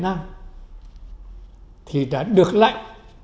mà tài ba về đối ngoại